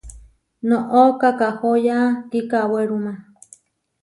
Noʼó kakahóya kikawéruma.